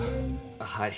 はい。